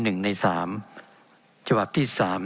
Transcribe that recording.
เป็นของสมาชิกสภาพภูมิแทนรัฐรนดร